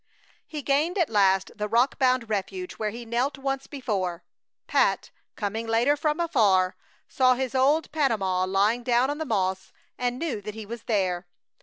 He gained at last the rock bound refuge where he knelt once before. Pat, coming later from afar, saw his old Panama lying down on the moss and knew that he was there.